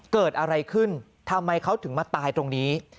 เกิดอะไรขึ้นทำไมเขาถึงมาตายตรงนี้